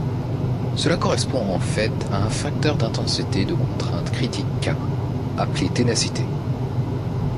Cela correspond en fait à un facteur d'intensité de contrainte critique K, appelé ténacité.